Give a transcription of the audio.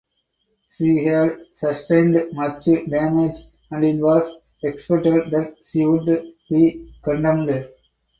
She had sustained much damage and it was expected that she would be condemned.